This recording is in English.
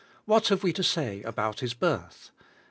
What have we to say about His birth?